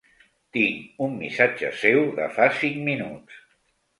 Tinc un missatge seu de fa cinc minuts.